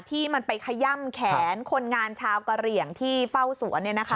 ที่มันไปขย่ำแขนคนงานชาวกะเหลี่ยงที่เฝ้าสวน